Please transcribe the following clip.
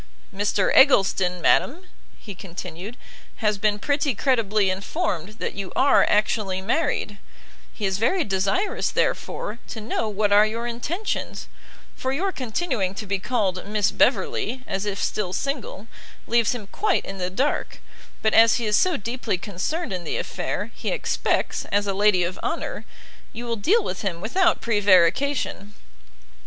"Mr Eggleston, madam," he continued, "has been pretty credibly informed that you are actually married: he is very desirous, therefore, to know what are your intentions, for your continuing to be called Miss Beverley, as if still single, leaves him quite in the dark: but, as he is so deeply concerned in the affair, he expects, as a lady of honour, you will deal with him without prevarication."